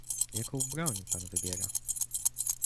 "Jaką broń pan wybiera?"